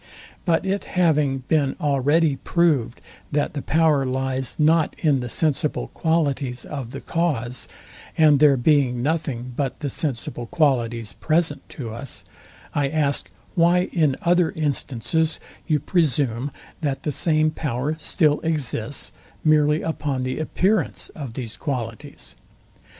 But it having been already proved, that the power lies not in the sensible qualities of the cause; and there being nothing but the sensible qualities present to us; I ask, why in other instances you presume that the same power still exists, merely upon the appearance of these qualities?